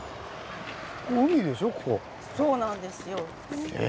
そうなんですよ。え？